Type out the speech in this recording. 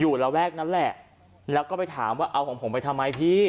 ระแวกนั้นแหละแล้วก็ไปถามว่าเอาของผมไปทำไมพี่